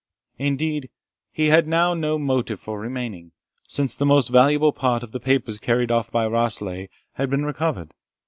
Indeed he had now no motive for remaining, since the most valuable part of the papers carried off by Rashleigh had been recovered.